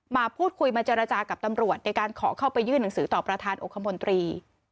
มาพูดคุยมาเจรจากับตำรวจในการขอเข้าไปยื่นหนังสือต่อประธานองคมนตรี